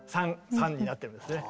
３になってるんですね。